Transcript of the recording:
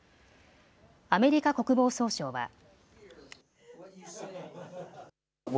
アメリカ国防総省は。